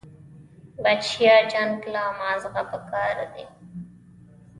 بچيه جنگ له مازغه پکار دي.